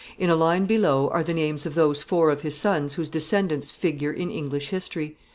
In a line below are the names of those four of his sons whose descendants figure in English history.